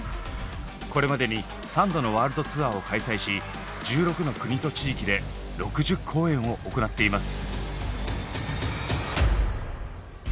これまでに３度のワールドツアーを開催し１６の国と地域で６０公演を行っています。